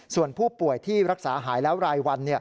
ส่วนผู้ป่วยที่รักษาหายแล้วรายวัน